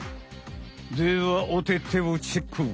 ではおててをチェック！